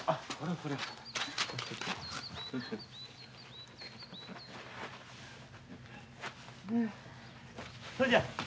それじゃ。